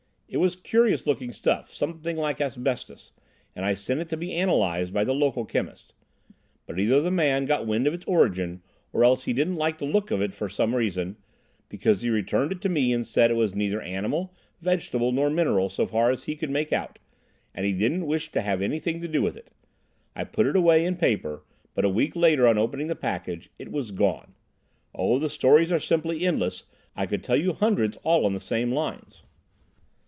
"It was curious looking stuff, something like asbestos, and I sent it to be analysed by the local chemist. But either the man got wind of its origin, or else he didn't like the look of it for some reason, because he returned it to me and said it was neither animal, vegetable, nor mineral, so far as he could make out, and he didn't wish to have anything to do with it. I put it away in paper, but a week later, on opening the package—it was gone! Oh, the stories are simply endless. I could tell you hundreds all on the same lines."